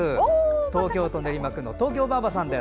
東京都練馬区の東京ばあばさんです。